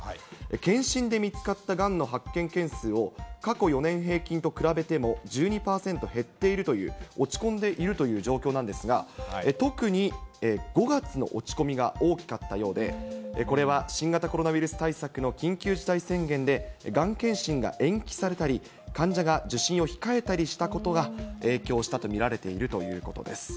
検診で見つかったがんの発見件数を、過去４年平均と比べても１２％減っているという、落ち込んでいるという状況なんですが、特に５月の落ち込みが大きかったようで、これは、新型コロナウイルス対策の緊急事態宣言で、がん検診が延期されたり、患者が受診を控えたりしたことが影響したと見られているということです。